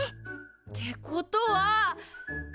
ってことは！